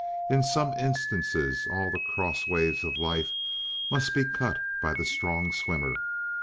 In some instances all the cross waves of life must be cut by the strong swimmer.